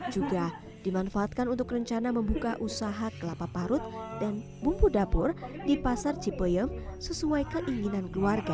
juga dimanfaatkan untuk rencana membuka usaha kelapa parut dan bumbu dapur di pasar cipeyem sesuai keinginan keluarga